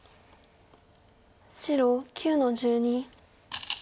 白９の十二。